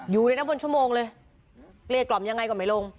อยู่เลยนะบนชั่วโมงเลยเกลี้ยกล่อมยังไงก็ไม่ลง